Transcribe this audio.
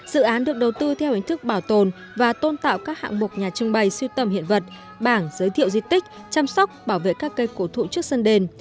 dự án được đầu tư theo hình thức bảo tồn và tôn tạo các hạng mục nhà trưng bày siêu tầm hiện vật bảng giới thiệu di tích chăm sóc bảo vệ các cây cổ thụ trước sân đền